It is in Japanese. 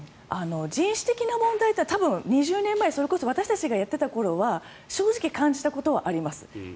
人種的な問題というのは多分、２０年前私たちがやっていた頃は正直、感じたことはあります。